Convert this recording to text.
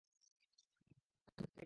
তুমি তো জেগেই আছো।